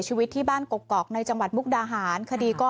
ชีวิตที่บ้านกกอกในจังหวัดมุกดาหารคดีก็